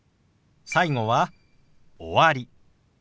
最後は「終わり」。